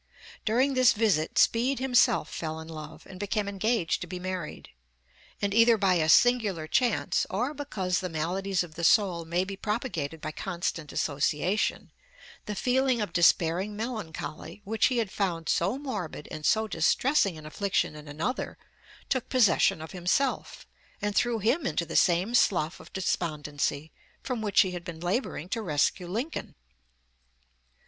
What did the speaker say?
During this visit Speed himself fell in love, and became engaged to be married; and either by a singular chance or because the maladies of the soul may be propagated by constant association, the feeling of despairing melancholy, which he had found so morbid and so distressing an affliction in another, took possession of himself, and threw him into the same slough of despondency from which he had been laboring to rescue Lincoln.